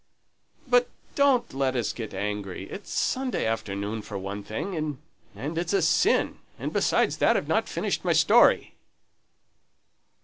But don't let us get angry, it's Sunday afternoon for one thing, and it's a sin; and besides that, I've not finished my story."